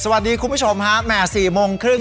สวัสดีคุณผู้ชมครับแหมสี่โมงครึ่ง